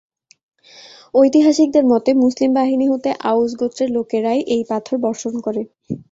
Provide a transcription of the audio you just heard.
ঐতিহাসিকদের মতে, মুসলিম বাহিনী হতে আউস গোত্রের লোকেরাই এই পাথর বর্ষণ করে।